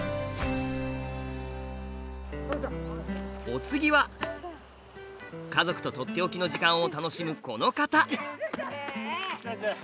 お次は家族と「とっておきの時間」を楽しむこの方。